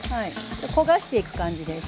焦がしていく感じです。